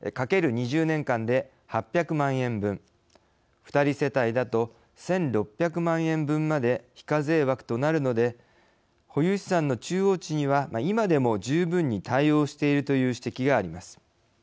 ２人世帯だと１，６００万円分まで非課税枠となるので保有資産の中央値には今でも十分に対応しているという指摘があります。